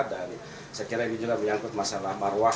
dan saya kira ini juga menyangkut masalah maruah